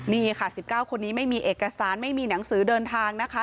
นี่ค่ะ๑๙คนนี้ไม่มีเอกสารไม่มีหนังสือเดินทางนะคะ